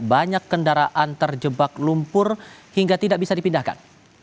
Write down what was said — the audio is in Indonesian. banyak kendaraan terjebak lumpur hingga tidak bisa dipindahkan